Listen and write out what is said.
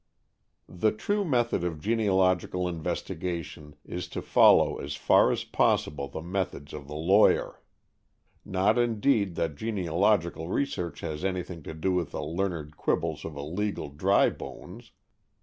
The true method of genealogical investigation is to follow as far as possible the methods of the lawyer. Not, indeed, that genealogical research has anything to do with the learned quibbles of a legal dry bones!